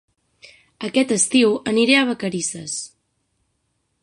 Aquest estiu aniré a Vacarisses